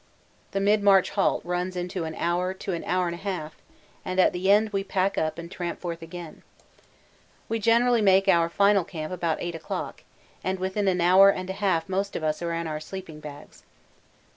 The mid march halt runs into an hour to an hour and a half, and at the end we pack up and tramp forth again. We generally make our final camp about 8 o'clock, and within an hour and a half most of us are in our sleeping bags.